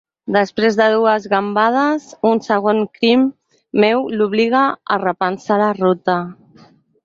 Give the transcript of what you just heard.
Després de dues gambades, un segon crit meu l'obliga a repensar la ruta.